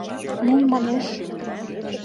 — Мом манеш?